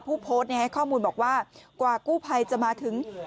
ผู้โพสต์ให้ข้อมูลบอกว่ากว่ากู้ภัยจะมาถึง